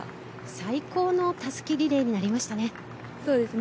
最高のたすきリレーになりましたね。